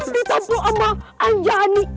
ditampu sama anjani